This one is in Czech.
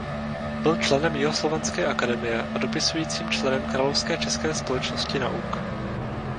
Byl členem jihoslovanské akademie a dopisujícím členem Královské české společnosti nauk.